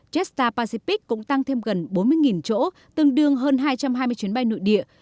jetstar pacific cũng tăng thêm gần bốn mươi chỗ tương đương hơn hai trăm hai mươi chuyến bay nội địa